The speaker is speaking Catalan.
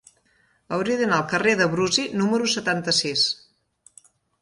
Hauria d'anar al carrer de Brusi número setanta-sis.